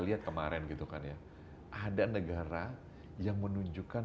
lihat kemarin gitu kan ya ada negara yang menunjukkan